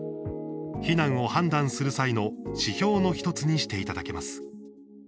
避難を判断する際の指標の１つにしていただけます。